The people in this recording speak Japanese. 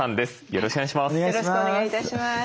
よろしくお願いします。